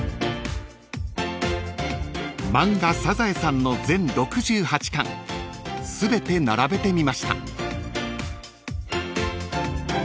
［漫画『サザエさん』の全６８巻全て並べてみました］